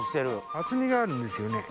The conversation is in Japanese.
厚みがあるんですよね。